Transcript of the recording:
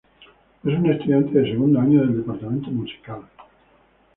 Es un estudiante de segundo año del Departamento Musical.